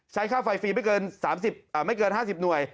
ค่าไฟฟรีไม่เกิน๕๐หน่วย